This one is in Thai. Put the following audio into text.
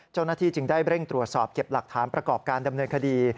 เจ้าหน้าที่จึงได้เร่งตรวจสอบเก็บหลักฐานประกอบการดำเนินคดี